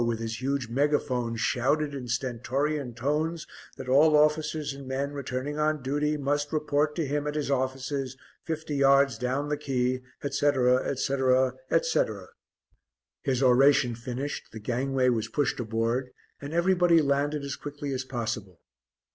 with his huge megaphone shouted in stentorian tones that all officers and men returning on duty must report to him at his offices, fifty yards down the quay, etc., etc., etc. His oration finished, the gangway was pushed aboard and everybody landed as quickly as possible.